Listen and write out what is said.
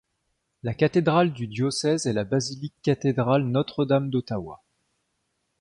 La cathédrale du diocèse est la basilique-cathédrale Notre-Dame d'Ottawa.